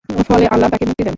ফলে আল্লাহ তাকে মুক্তি দেন।